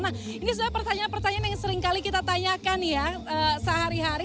nah ini sudah pertanyaan pertanyaan yang sering kali kita tanyakan ya sehari hari